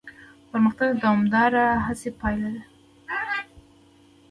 پرمختګ د دوامداره هڅې پایله ده.